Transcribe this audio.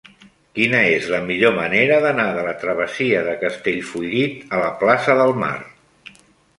Quina és la millor manera d'anar de la travessia de Castellfollit a la plaça del Mar?